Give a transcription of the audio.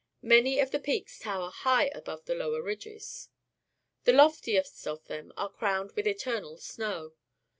Many of the peaks tower high above the lower ridges. The loftiest of them are crowned with eternal snow.